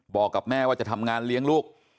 บอกกับแม่ว่าจะทำงานเลี้ยงลูก